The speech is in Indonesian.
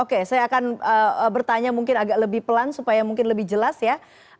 oke saya akan bertanya mungkin agak lebih pelan supaya mungkin lebih jelas ya